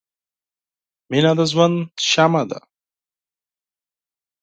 • مینه د ژوند شمعه ده.